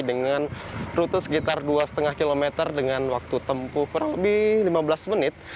dengan rute sekitar dua lima km dengan waktu tempuh kurang lebih lima belas menit